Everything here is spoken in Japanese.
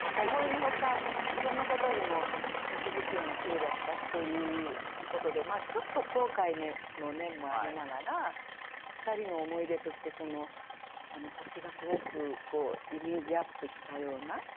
のほかそんなことよりも星月夜がきれいだったということでちょっと後悔の念もありながら２人の思い出として星がすごくイメージアップしたような。